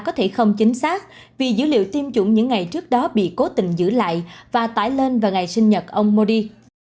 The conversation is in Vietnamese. có thể không chính xác vì dữ liệu tiêm chủng những ngày trước đó bị cố tình giữ lại và tải lên vào ngày sinh nhật ông modi